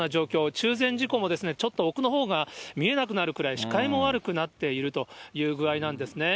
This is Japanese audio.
中禅寺湖もちょっと奥のほうが見えなくなるぐらい、視界も悪くなっているという具合なんですね。